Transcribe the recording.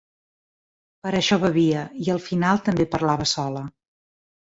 Per això bevia i al final també parlava sola.